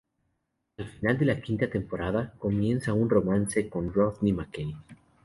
Al final de la quinta temporada comienza un romance con Rodney McKay.